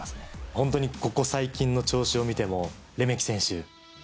本当にここ最近の調子を見てもレメキ選手。